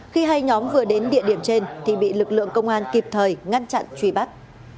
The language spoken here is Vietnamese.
khi hai nhóm vừa đến địa điểm trên thì bị lực lượng công an kịp thời ngăn chặn truy bắt